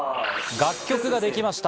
楽曲ができました。